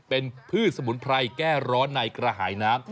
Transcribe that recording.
เป็นพืชสมุนไพรแก้ร้อนในกระหายน้ำ